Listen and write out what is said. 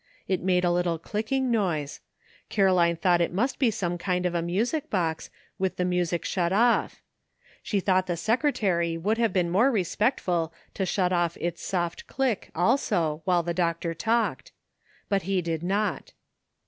It made a little clicking noise ; Caroline thought it must be some kind of a music box, with the music shut off. She thought the secretary would have been more respectful to shut off its soft click also, while the doctor talked. But he did not.